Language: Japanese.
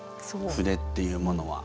筆っていうものは。